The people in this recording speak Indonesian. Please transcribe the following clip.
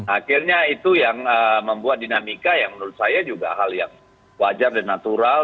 akhirnya itu yang membuat dinamika yang menurut saya juga hal yang wajar dan natural